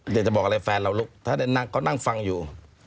อยากจะบอกอะไรแฟนเราลุกถ้าได้นั่งก็นั่งฟังอยู่